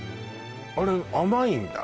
あれ甘いんだ